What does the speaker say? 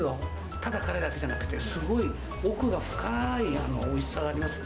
ただ辛いだけじゃなくて、すごい奥が深いおいしさがありますね。